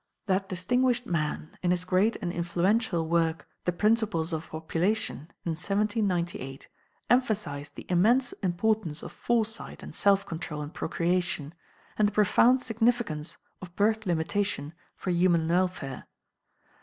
That distinguished man, in his great and influential work, 'The Principles of Population,' in 1798, emphasized the immense importance of foresight and self control in procreation, and the profound significance of birth limitation for human welfare.